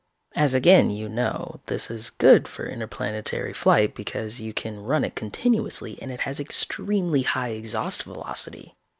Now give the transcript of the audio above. As again you know, this is good for interplanetary flight because you can run it continuously and it has extremely high exhaust velocity.